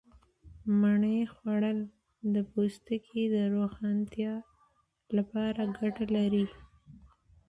مڼې خوړل د پوستکي د روښانتیا لپاره گټه لري.